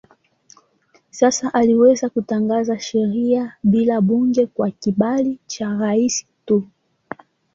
Sasa aliweza kutangaza sheria bila bunge kwa kibali cha rais tu.